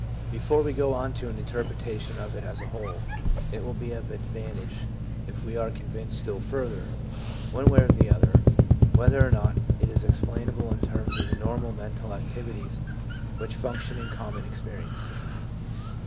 Before we go on to an interpretation of it as a whole, it will be of advantage if we are convinced still further, one way or the other, whether or not it is explainable in terms of the normal mental activities which function in common experience.